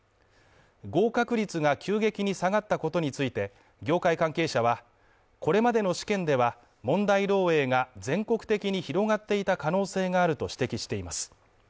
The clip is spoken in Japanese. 合格率が急激に下がったことについて、業界関係者はこれまでの試験では問題漏洩が全国的に広がっていた可能性があると指摘しています。